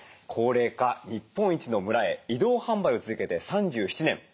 高齢化日本一の村へ移動販売を続けて３７年。